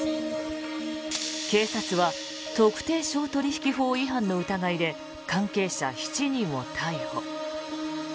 警察は特定商取引法違反の疑いで関係者７人を逮捕。